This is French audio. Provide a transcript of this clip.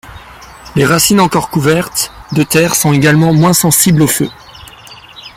Les racines encore couvertes de terre sont également moins sensibles au feu.